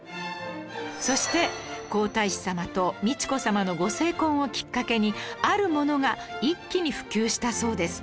そして皇太子さまと美智子さまのご成婚をきっかけにあるものが一気に普及したそうです